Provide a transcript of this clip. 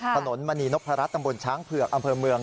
มณีนพรัชตำบลช้างเผือกอำเภอเมือง